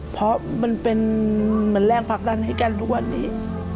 เพราะมันเป็นแรงพักด้านให้กันทุกวันนี้